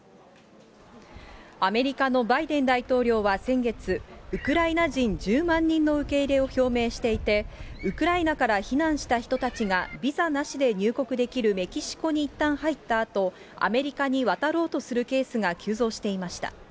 アメリカのバイデン大統領は先月、ウクライナ人１０万人の受け入れを表明していて、ウクライナから避難した人たちがビザなしで入国できるメキシコにいったん入ったあと、アメリカに渡ろうとするケースが急増していました。